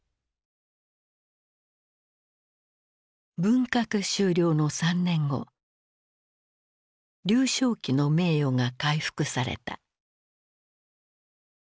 文革終了の３年後劉少奇の名誉が回復された。